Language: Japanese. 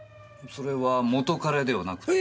それは元カレではなくて？